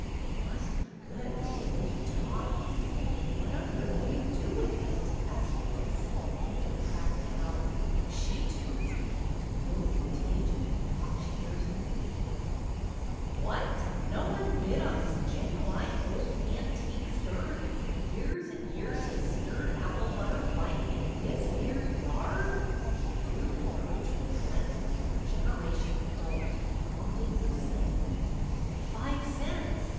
It must be good, from the way he talks.'' 140 BETTY BAIRD'S VENTURES What on earth would you do with it ?" asked Lois, with a hint of practicality, though she too was beginning to feel the contagion of the auctioneer's enthusiasm. ''What? No one bid on this genooine old an tique stirrer that for years and years has stirred apple butter right in this here yard ?" He threw reproachful glances on a generation dull to the promptings of sentiment. " Five cents!